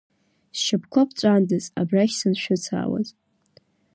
Сшьапқәа ԥҵәандаз, абрахь саншәыцаауаз.